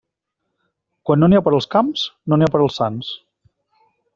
Quan no n'hi ha per als camps, no n'hi ha per als sants.